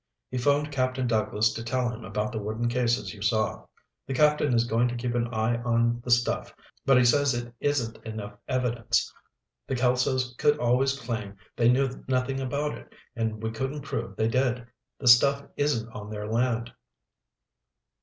"He phoned Captain Douglas to tell him about the wooden cases you saw. The captain is going to keep an eye on the stuff, but he says it isn't enough evidence. The Kelsos could always claim they knew nothing about it and we couldn't prove they did. The stuff isn't on their land."